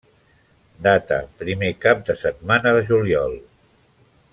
Data: primer cap de setmana de juliol.